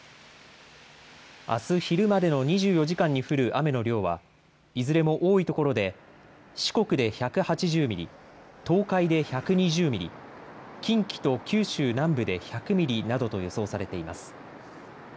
あす昼までの２４時間に降る雨の量はいずれも多いところで四国で１８０ミリ、東海で１２０ミリ、近畿と九州南部で１００ミリなどと予想されています。